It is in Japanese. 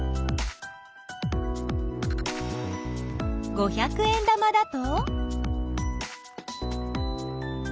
五百円玉だと？